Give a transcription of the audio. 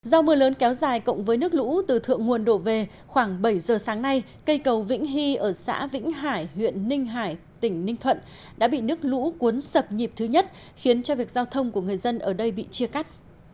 do mưa lớn kéo dài cộng với nước lũ từ thượng nguồn đổ về khoảng bảy giờ sáng nay cây cầu vĩnh hy ở xã vĩnh hải huyện ninh hải tỉnh ninh thuận đã bị nước lũ cuốn sập nhịp thứ nhất khiến cho việc giao thông của người dân ở đây bị chia cắt